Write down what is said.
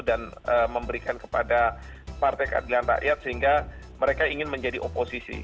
dan memberikan kepada partai keadilan rakyat sehingga mereka ingin menjadi oposisi